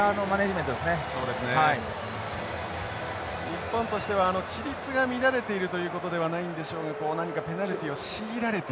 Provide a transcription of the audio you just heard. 日本としては規律が乱れているということではないんでしょうが何かペナルティを強いられている。